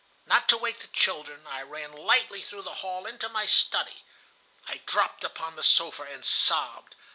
Not to wake the children, I ran lightly through the hall into my study. I dropped upon the sofa, and sobbed.